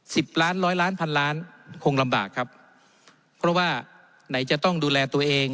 สิบล้านร้อยล้านพันล้านคงลำบากครับเพราะว่าไหนจะต้องดูแลตัวเอง